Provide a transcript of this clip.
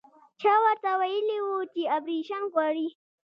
چا ورته ويلي وو چې اپرېشن غواړي.